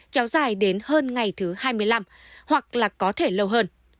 kéo dài đến hơn ngày thứ hai mươi năm hoặc là có thể lâu hơn